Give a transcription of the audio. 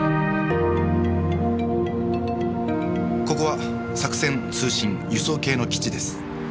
ここは作戦通信輸送系の基地です。